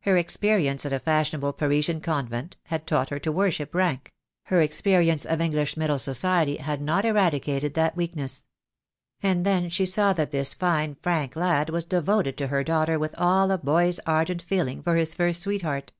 Her experience at a fashionable Parisian convent had taught her to worship rank; her experience of English middle class society had not eradicated that weakness. And then she saw that this fine, frank lad was devoted to her daughter with all a boy's ardent feeling for his first sweetheart.